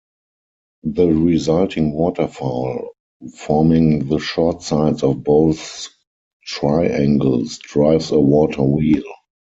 The resulting waterfall, forming the short sides of both triangles, drives a water wheel.